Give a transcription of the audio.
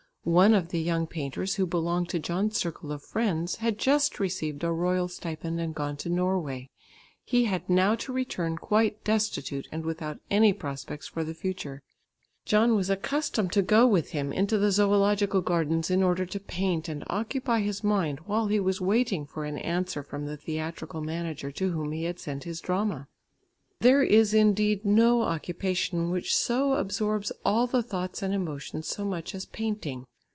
One of the young painters who belonged to John's circle of friends had just received a royal stipend and gone to Norway. He had now to return quite destitute and without any prospects for the future. John was accustomed to go with him into the Zoological Gardens in order to paint, and occupy his mind while he was waiting for an answer from the theatrical manager to whom he had sent his drama. There is indeed no occupation which so absorbs all the thoughts and emotions so much as painting.